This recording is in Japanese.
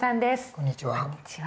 こんにちは。